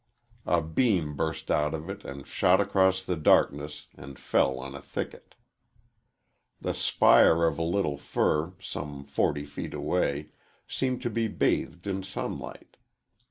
A beam burst out of it and shot across the darkness and fell on a thicket. The spire of a little fir, some forty feet away, seemed to be bathed in sunlight.